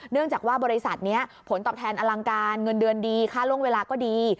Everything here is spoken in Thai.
เนื่องจากว่าบริษัทนี้ผลตอบแทนอลังการเงินเดือนดีค่าล่วงเวลาก็ดี